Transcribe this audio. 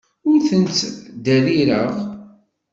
Ur ten-ttderrireɣ.